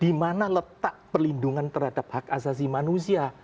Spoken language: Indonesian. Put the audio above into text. dimana letak perlindungan terhadap hak asasi manusia